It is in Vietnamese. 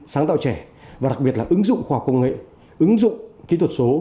sáng tạo trẻ và đặc biệt là ứng dụng khoa học công nghệ ứng dụng kỹ thuật số